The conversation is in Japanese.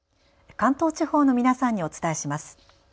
関東地方の皆さんにお伝えします。